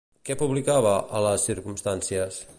Què publicava a Las Circunstancias?